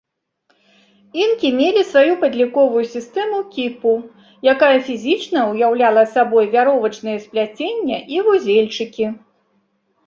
Інкі мелі сваю падліковую сістэму кіпу, якая фізічна ўяўляла сабой вяровачныя спляцення і вузельчыкі.